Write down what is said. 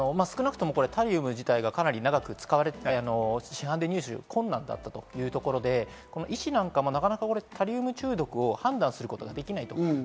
少なくともタリウム自体がかなり長く使われて、市販で入手困難だったというところで、医師なんかもタリウム中毒を判断することはできない。